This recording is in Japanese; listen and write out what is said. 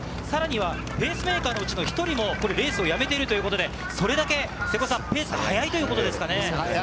更にはペースメーカーのうちの１人もレースをやめているということでそれだけペースが速いということですかね。